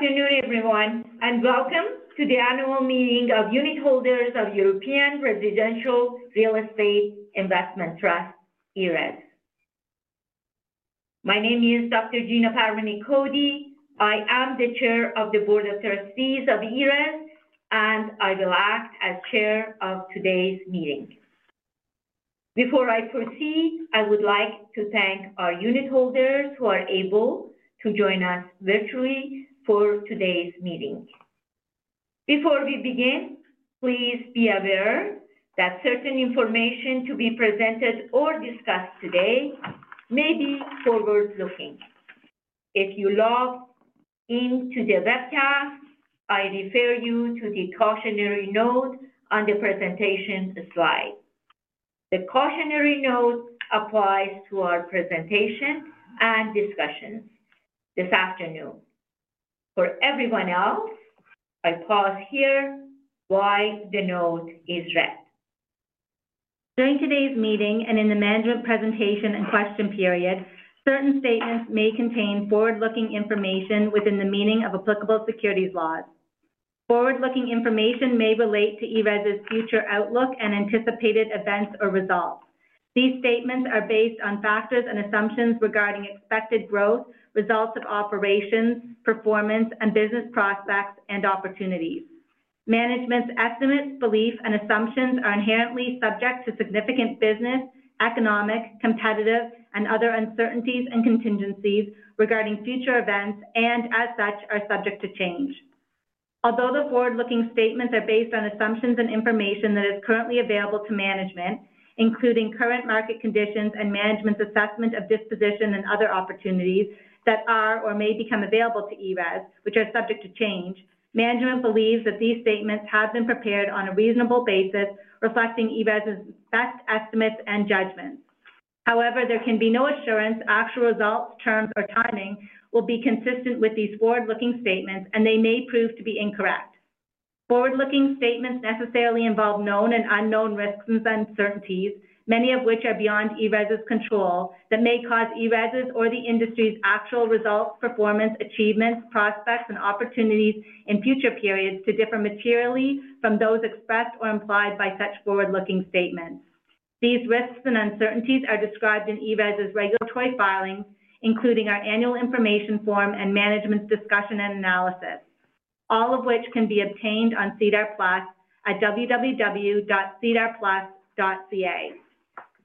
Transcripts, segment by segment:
Good afternoon, everyone, and welcome to the annual meeting of unitholders of European Residential Real Estate Investment Trust, ERES. My name is Dr. Gina Parvaneh Cody. I am the Chair of the Board of Trustees of ERES, and I will act as Chair of today's meeting. Before I proceed, I would like to thank our unitholders who are able to join us virtually for today's meeting. Before we begin, please be aware that certain information to be presented or discussed today may be forward-looking. If you log into the webcast, I refer you to the cautionary note on the presentation slide. The cautionary note applies to our presentation and discussions this afternoon. For everyone else, I pause here while the note is read. During today's meeting and in the management presentation and question period, certain statements may contain forward-looking information within the meaning of applicable securities laws. Forward-looking information may relate to ERES's future outlook and anticipated events or results. These statements are based on factors and assumptions regarding expected growth, results of operations, performance, and business prospects and opportunities. Management's estimates, beliefs, and assumptions are inherently subject to significant business, economic, competitive, and other uncertainties and contingencies regarding future events and, as such, are subject to change. Although the forward-looking statements are based on assumptions and information that is currently available to management, including current market conditions and management's assessment of disposition and other opportunities that are or may become available to ERES, which are subject to change, management believes that these statements have been prepared on a reasonable basis reflecting ERES's best estimates and judgments. However, there can be no assurance actual results, terms, or timing will be consistent with these forward-looking statements, and they may prove to be incorrect. Forward-looking statements necessarily involve known and unknown risks and uncertainties, many of which are beyond ERES's control, that may cause ERES's or the industry's actual results, performance, achievements, prospects, and opportunities in future periods to differ materially from those expressed or implied by such forward-looking statements. These risks and uncertainties are described in ERES's regulatory filings, including our annual information form and management's discussion and analysis, all of which can be obtained on Sedar+ at www.sedarplus.ca.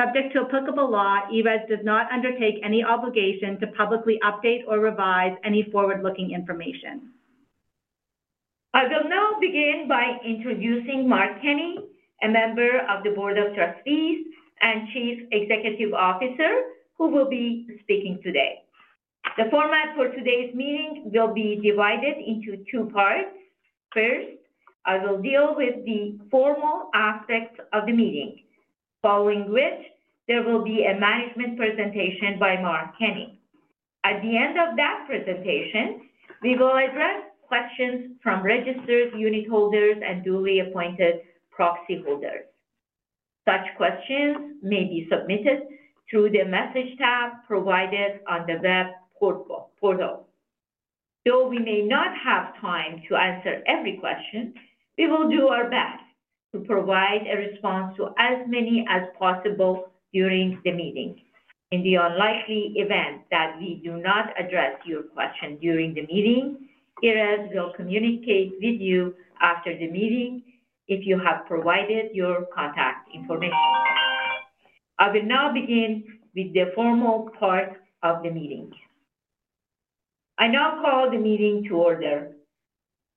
Subject to applicable law, ERES does not undertake any obligation to publicly update or revise any forward-looking information. I will now begin by introducing Mark Kenney, a member of the Board of Trustees and Chief Executive Officer, who will be speaking today. The format for today's meeting will be divided into two parts. First, I will deal with the formal aspects of the meeting, following which there will be a management presentation by Mark Kenney. At the end of that presentation, we will address questions from registered unitholders and duly appointed proxy holders. Such questions may be submitted through the message tab provided on the web portal. Though we may not have time to answer every question, we will do our best to provide a response to as many as possible during the meeting. In the unlikely event that we do not address your question during the meeting, ERES will communicate with you after the meeting if you have provided your contact information. I will now begin with the formal part of the meeting. I now call the meeting to order.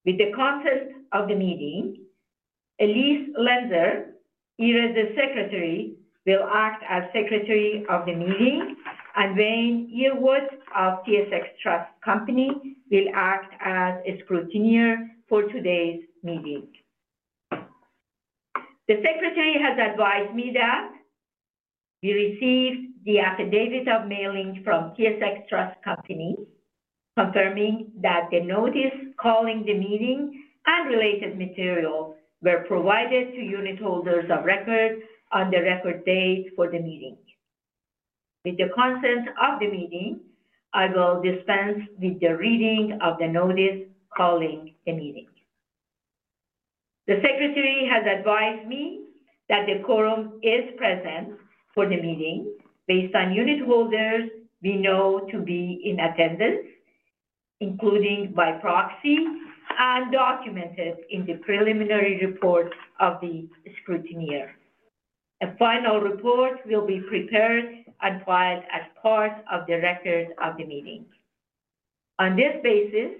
With the content of the meeting, Elise Lenser, ERES's secretary, will act as secretary of the meeting, and Wayne Yearwood of TSX Trust Company will act as a scrutineer for today's meeting. The secretary has advised me that we received the affidavit of mailing from TSX Trust Company, confirming that the notice calling the meeting and related material were provided to unitholders of record on the record date for the meeting. With the content of the meeting, I will dispense with the reading of the notice calling the meeting. The secretary has advised me that the quorum is present for the meeting based on unitholders we know to be in attendance, including by proxy and documented in the preliminary report of the scrutineer. A final report will be prepared and filed as part of the record of the meeting. On this basis,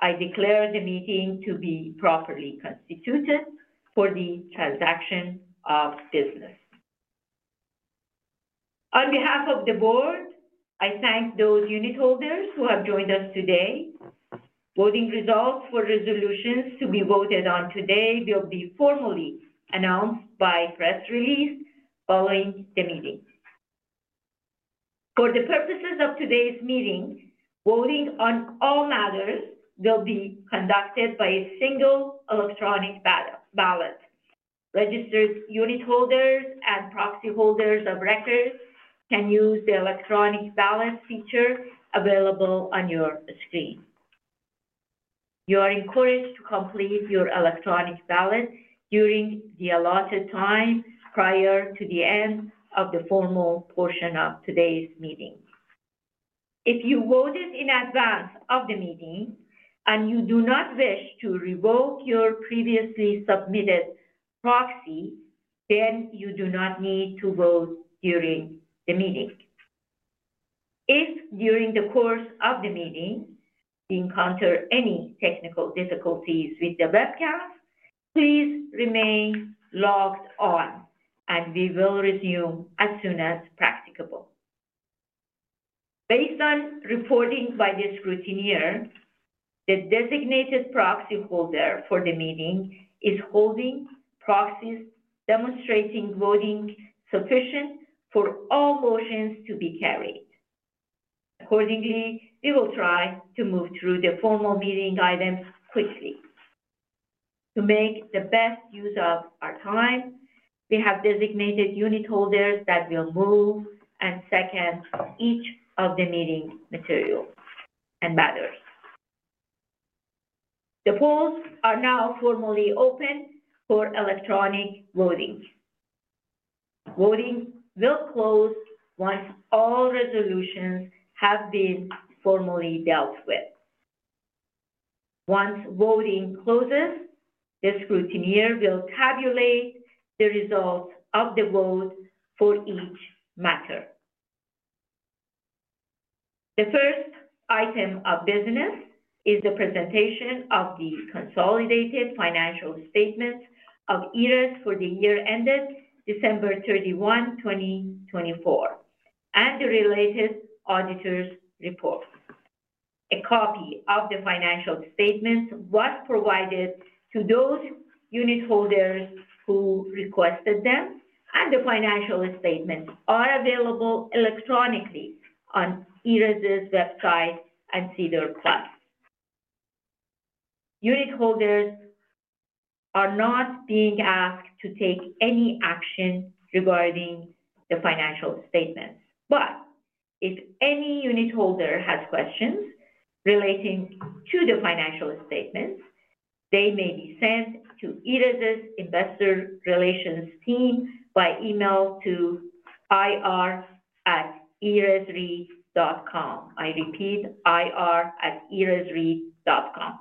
I declare the meeting to be properly constituted for the transaction of business. On behalf of the Board, I thank those unitholders who have joined us today. Voting results for resolutions to be voted on today will be formally announced by press release following the meeting. For the purposes of today's meeting, voting on all matters will be conducted by a single electronic ballot. Registered unitholders and proxy holders of record can use the electronic ballot feature available on your screen. You are encouraged to complete your electronic ballot during the allotted time prior to the end of the formal portion of today's meeting. If you voted in advance of the meeting and you do not wish to revoke your previously submitted proxy, then you do not need to vote during the meeting. If during the course of the meeting you encounter any technical difficulties with the webcast, please remain logged on, and we will resume as soon as practicable. Based on reporting by the scrutineer, the designated proxy holder for the meeting is holding proxies demonstrating voting sufficient for all motions to be carried. Accordingly, we will try to move through the formal meeting items quickly. To make the best use of our time, we have designated unitholders that will move and second each of the meeting material and matters. The polls are now formally open for electronic voting. Voting will close once all resolutions have been formally dealt with. Once voting closes, the scrutineer will tabulate the results of the vote for each matter. The first item of business is the presentation of the consolidated financial statements of ERES for the year ended December 31, 2024, and the related auditor's reports. A copy of the financial statements was provided to those unitholders who requested them, and the financial statements are available electronically on ERES's website and Sedar+. Unitholders are not being asked to take any action regarding the financial statements, but if any unitholder has questions relating to the financial statements, they may be sent to ERES's investor relations team by email to ir@eresreit.com. I repeat, ir@eresreit.com.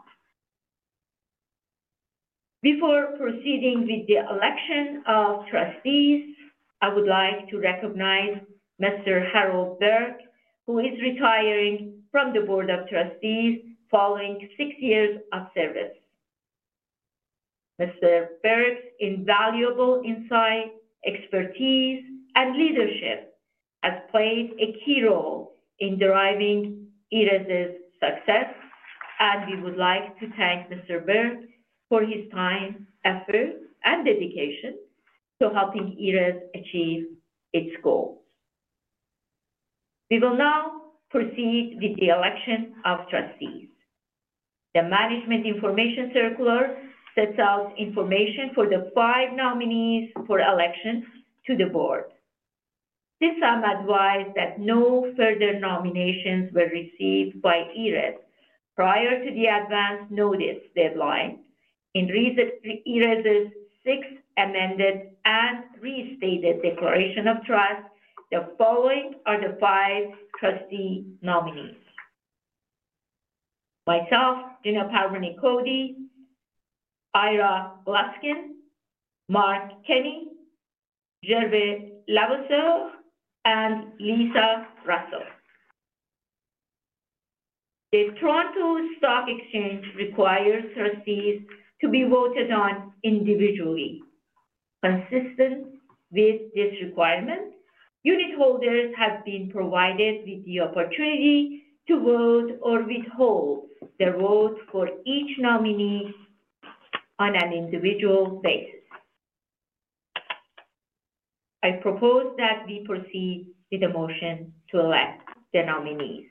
Before proceeding with the election of trustees, I would like to recognize Mr. Harold Burke, who is retiring from the Board of Trustees following six years of service. Mr. Burke's invaluable insight, expertise, and leadership have played a key role in driving ERES's success, and we would like to thank Mr. Burke for his time, effort, and dedication to helping ERES achieve its goals. We will now proceed with the election of trustees. The management information circular sets out information for the five nominees for election to the Board. Since I'm advised that no further nominations were received by ERES prior to the advance notice deadline in ERES's sixth amended and restated Declaration of Trust, the following are the five trustee nominees: myself, Gina Parvaneh Cody, Ira Gluskin, Mark Kenney, Gervais Levasseur, and Lisa Russell. The Toronto Stock Exchange requires trustees to be voted on individually. Consistent with this requirement, unitholders have been provided with the opportunity to vote or withhold their vote for each nominee on an individual basis. I propose that we proceed with the motion to elect the nominees.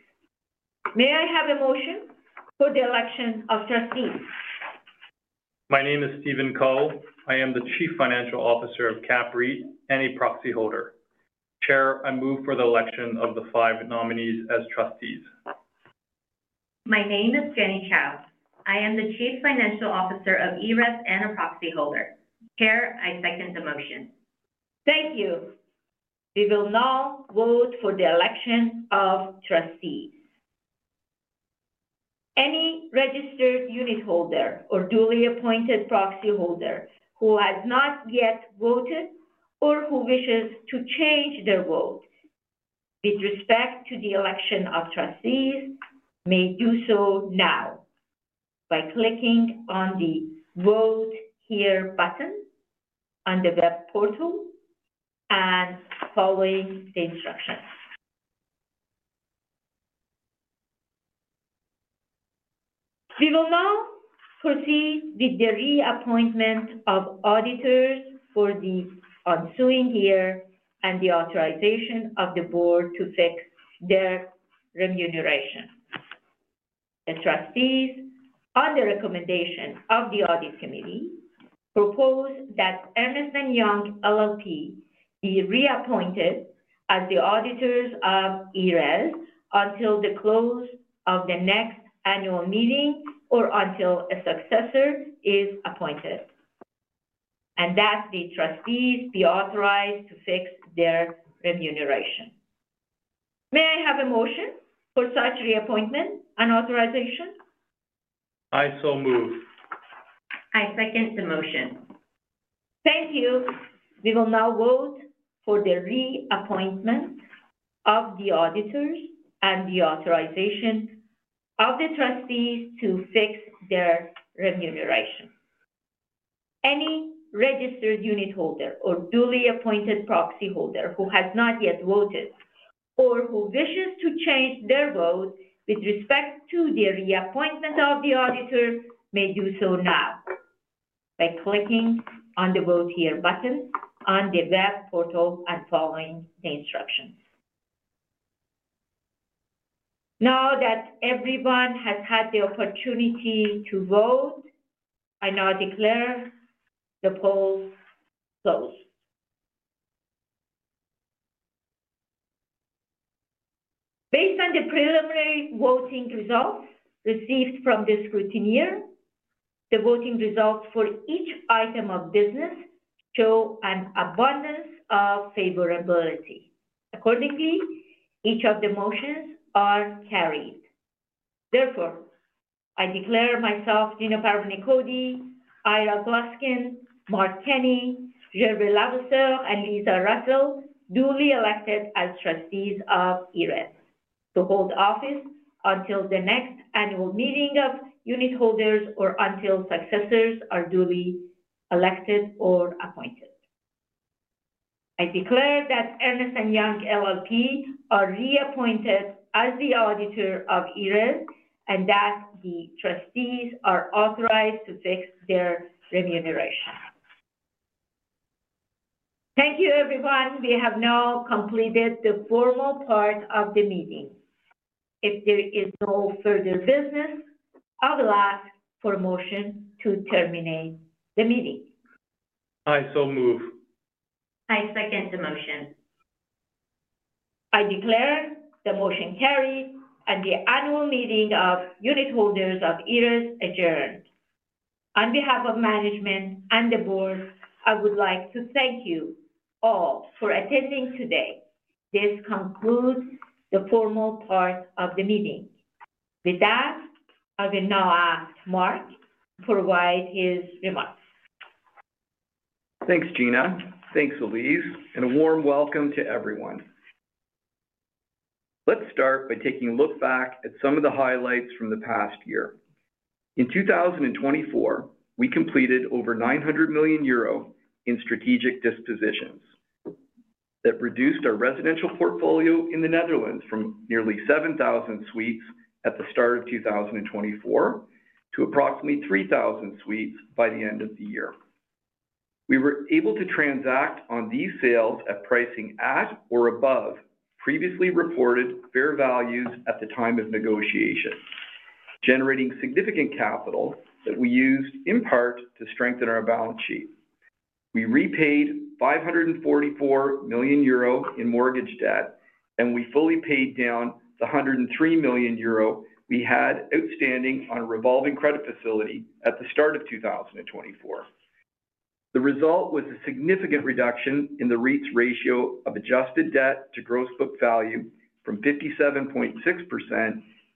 May I have a motion for the election of trustees? My name is Stephen Co. I am the Chief Financial Officer of CAPREIT and a proxy holder. Chair, I move for the election of the five nominees as trustees. My name is Jenny Chou. I am the Chief Financial Officer of ERES and a proxy holder. Chair, I second the motion. Thank you. We will now vote for the election of trustees. Any registered unitholder or duly appointed proxy holder who has not yet voted or who wishes to change their vote with respect to the election of trustees may do so now by clicking on the Vote Here button on the web portal and following the instructions. We will now proceed with the reappointment of auditors for the ensuing year and the authorization of the Board to fix their remuneration. The trustees, on the recommendation of the audit committee, propose that Ernst & Young LLP be reappointed as the auditors of ERES until the close of the next annual meeting or until a successor is appointed, and that the trustees be authorized to fix their remuneration. May I have a motion for such reappointment and authorization? I so move. I second the motion. Thank you. We will now vote for the reappointment of the auditors and the authorization of the trustees to fix their remuneration. Any registered unitholder or duly appointed proxy holder who has not yet voted or who wishes to change their vote with respect to the reappointment of the auditor may do so now by clicking on the Vote Here button on the web portal and following the instructions. Now that everyone has had the opportunity to vote, I now declare the polls closed. Based on the preliminary voting results received from the scrutineer, the voting results for each item of business show an abundance of favorability. Accordingly, each of the motions are carried. Therefore, I declare myself, Gina Cody, Ira Gluskin, Mark Kenney, Gervais Levasseur, and Lisa Russell duly elected as trustees of ERES to hold office until the next annual meeting of unitholders or until successors are duly elected or appointed. I declare that Ernst & Young LLP are reappointed as the auditor of ERES and that the trustees are authorized to fix their remuneration. Thank you, everyone. We have now completed the formal part of the meeting. If there is no further business, I will ask for a motion to terminate the meeting. I so move. I second the motion. I declare the motion carried and the annual meeting of unitholders of ERES adjourned. On behalf of management and the Board, I would like to thank you all for attending today. This concludes the formal part of the meeting. With that, I will now ask Mark to provide his remarks. Thanks, Gina. Thanks, Elise. And a warm welcome to everyone. Let's start by taking a look back at some of the highlights from the past year. In 2024, we completed over 900 million euro in strategic dispositions that reduced our residential portfolio in the Netherlands from nearly 7,000 suites at the start of 2024 to approximately 3,000 suites by the end of the year. We were able to transact on these sales at pricing at or above previously reported fair values at the time of negotiation, generating significant capital that we used in part to strengthen our balance sheet. We repaid 544 million euro in mortgage debt, and we fully paid down the 103 million euro we had outstanding on a revolving credit facility at the start of 2024. The result was a significant reduction in the REIT's ratio of adjusted debt to gross book value from 57.6%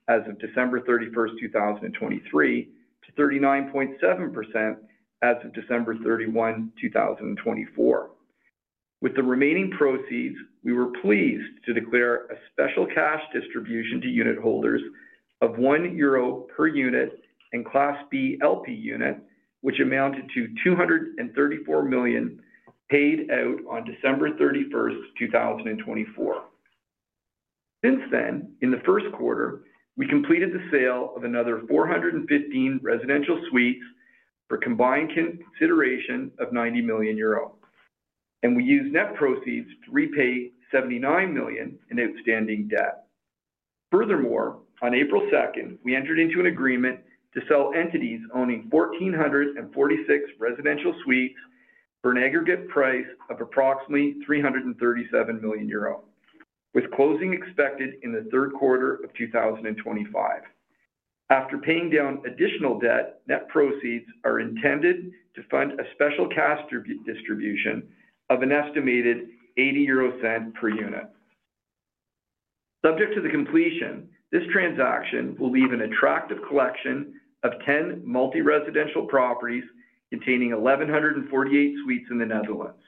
as of December 31st, 2023, to 39.7% as of December 31, 2024. With the remaining proceeds, we were pleased to declare a special cash distribution to unitholders of 1 euro per unit and Class B LP unit, which amounted to 234 million paid out on December 31st, 2024. Since then, in the first quarter, we completed the sale of another 415 residential suites for combined consideration of 90 million euro, and we used net proceeds to repay 79 million in outstanding debt. Furthermore, on April 2nd, we entered into an agreement to sell entities owning 1,446 residential suites for an aggregate price of approximately 337 million euro, with closing expected in the third quarter of 2025. After paying down additional debt, net proceeds are intended to fund a special cash distribution of an estimated 0.80 per unit. Subject to the completion, this transaction will leave an attractive collection of 10 multi-residential properties containing 1,148 suites in the Netherlands,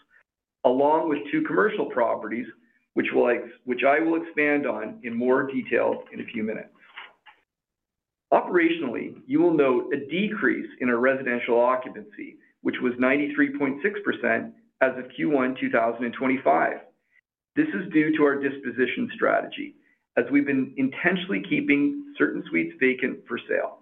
along with two commercial properties, which I will expand on in more detail in a few minutes. Operationally, you will note a decrease in our residential occupancy, which was 93.6% as of Q1 2025. This is due to our disposition strategy, as we've been intentionally keeping certain suites vacant for sale.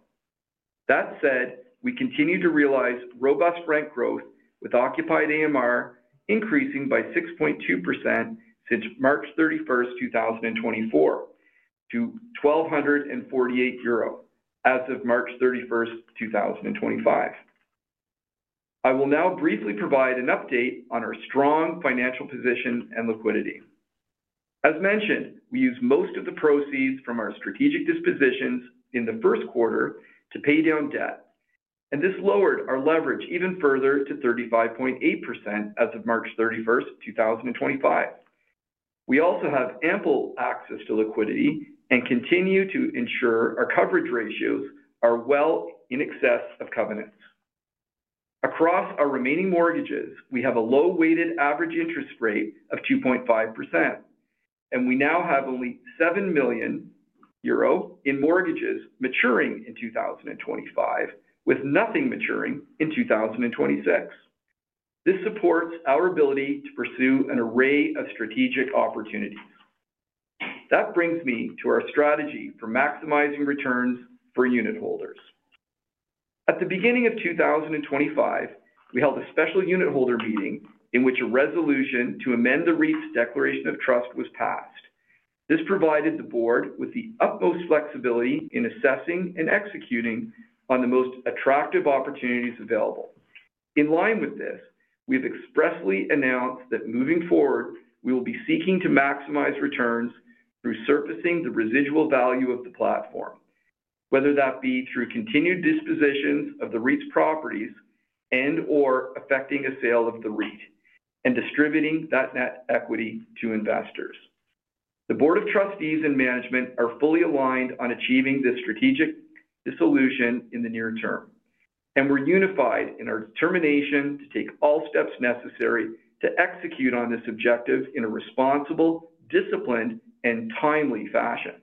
That said, we continue to realize robust rent growth with occupied AMR increasing by 6.2% since March 31, 2024, to 1,248 euro as of March 31st, 2025. I will now briefly provide an update on our strong financial position and liquidity. As mentioned, we used most of the proceeds from our strategic dispositions in the first quarter to pay down debt, and this lowered our leverage even further to 35.8% as of March 31st, 2025. We also have ample access to liquidity and continue to ensure our coverage ratios are well in excess of covenants. Across our remaining mortgages, we have a low-weighted average interest rate of 2.5%, and we now have only 7 million euro in mortgages maturing in 2025, with nothing maturing in 2026. This supports our ability to pursue an array of strategic opportunities. That brings me to our strategy for maximizing returns for unitholders. At the beginning of 2025, we held a special unitholder meeting in which a resolution to amend the REIT's declaration of trust was passed. This provided the Board with the utmost flexibility in assessing and executing on the most attractive opportunities available. In line with this, we have expressly announced that moving forward, we will be seeking to maximize returns through surfacing the residual value of the platform, whether that be through continued dispositions of the REIT's properties and/or effecting a sale of the REIT and distributing that net equity to investors. The Board of Trustees and management are fully aligned on achieving this strategic solution in the near term, and we're unified in our determination to take all steps necessary to execute on this objective in a responsible, disciplined, and timely fashion.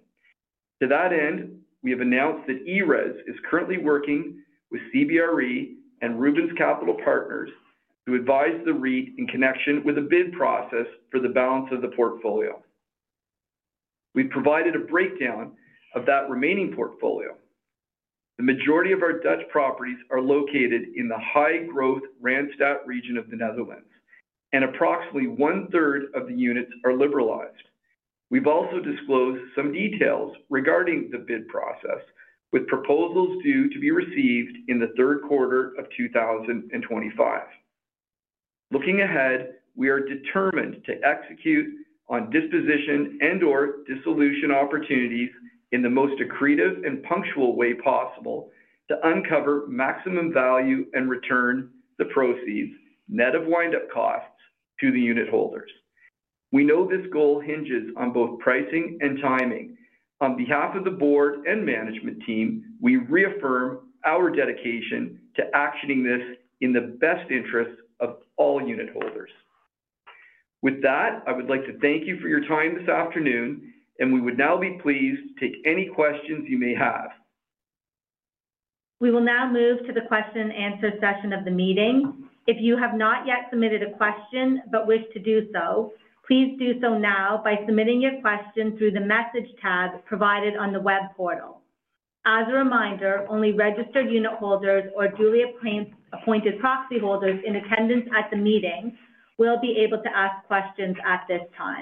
To that end, we have announced that ERES is currently working with CBRE and Rubens Capital Partners to advise the REIT in connection with a bid process for the balance of the portfolio. We've provided a breakdown of that remaining portfolio. The majority of our Dutch properties are located in the high-growth Randstad region of the Netherlands, and approximately one-third of the units are liberalized. We've also disclosed some details regarding the bid process, with proposals due to be received in the third quarter of 2025. Looking ahead, we are determined to execute on disposition and/or dissolution opportunities in the most accretive and punctual way possible to uncover maximum value and return the proceeds net of wind-up costs to the unitholders. We know this goal hinges on both pricing and timing. On behalf of the Board and management team, we reaffirm our dedication to actioning this in the best interests of all unitholders. With that, I would like to thank you for your time this afternoon, and we would now be pleased to take any questions you may have. We will now move to the question-and-answer session of the meeting. If you have not yet submitted a question but wish to do so, please do so now by submitting your question through the Message tab provided on the web portal. As a reminder, only registered unitholders or duly appointed proxy holders in attendance at the meeting will be able to ask questions at this time.